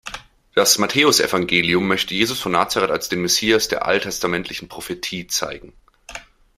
Das Matthäusevangelium möchte Jesus von Nazaret als den Messias der alttestamentlichen Prophetie zeigen.